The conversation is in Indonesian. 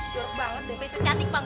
jorok banget deh prinses cantik bang